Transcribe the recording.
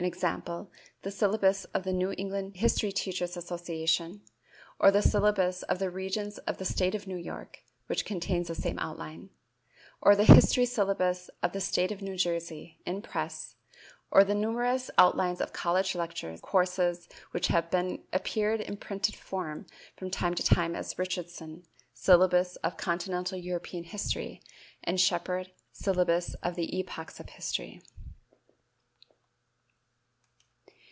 g._, the Syllabus of the New England History Teachers' Association, or the Syllabus of the Regents of the State of New York (which contains the same outline), or the History Syllabus of the State of New Jersey (in press) or the numerous outlines of college lecture courses which have appeared in printed form from time to time as Richardson, "Syllabus of Continental European History," and Shepherd, "Syllabus of the Epochs of History."